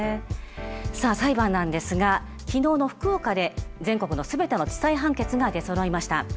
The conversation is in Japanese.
さあ裁判なんですが昨日の福岡で全国の全ての地裁判決が出そろいました。